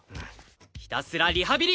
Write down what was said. ひたすらリハビリ！